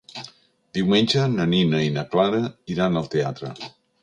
Diumenge na Nina i na Clara iran al teatre.